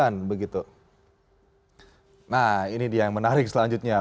nah ini dia yang menarik selanjutnya